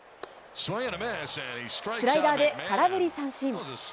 スライダーで空振り三振。